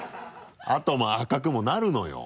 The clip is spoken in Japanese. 痕も赤くもなるのよ。